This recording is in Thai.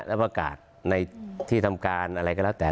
แล้วประกาศในที่ทำการอะไรก็แล้วแต่